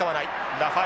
ラファエレ。